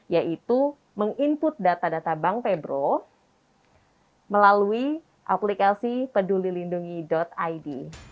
yaitu meng input data data bank febro melalui aplikasi pedulilindungi id